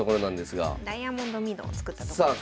ダイヤモンド美濃を作ったとこですね。